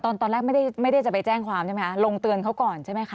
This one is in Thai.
ตอนแรกไม่ได้จะไปแจ้งความใช่ไหมคะลงเตือนเขาก่อนใช่ไหมคะ